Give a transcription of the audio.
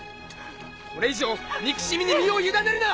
これ以上憎しみに身を委ねるな！